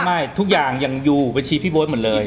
ไม่ทุกอย่างยังอยู่บัญชีพี่โบ๊ทหมดเลย